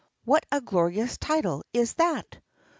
What a glorious title is that!